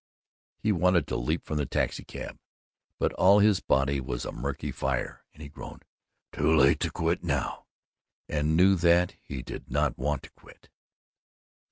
He wanted to leap from the taxicab, but all his body was a murky fire, and he groaned, "Too late to quit now," and knew that he did not want to quit.